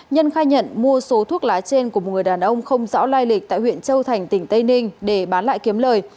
nhân khai nhận mua số thuốc lá trên của một người đàn ông không rõ lai lịch tại huyện châu thành tỉnh tây ninh để bán lại kiếm lời